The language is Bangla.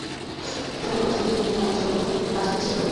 তবে নগরবাসীর অভিযোগ, মনজুর আলম জলাবদ্ধতা দূর করতে কার্যত কিছুই করেননি।